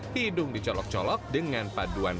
hidung dicolok colok dengan paduan